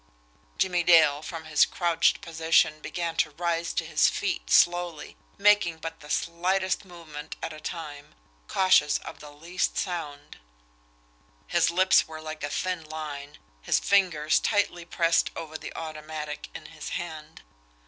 Jimmie Dale, from his crouched position, began to rise to his feet slowly, making but the slightest movement at a time, cautious of the least sound. His lips were like a thin line, his fingers tightly pressed over the automatic in his hand.